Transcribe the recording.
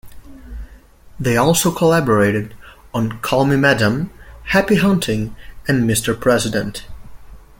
They also collaborated on "Call Me Madam", "Happy Hunting" and "Mr. President".